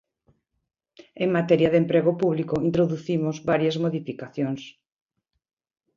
En materia de emprego público, introducimos varias modificacións.